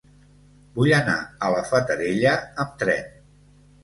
Vull anar a la Fatarella amb tren.